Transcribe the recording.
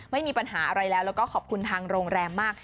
ไม่มีปัญหาอะไรแล้วแล้วก็ขอบคุณทางโรงแรมมาก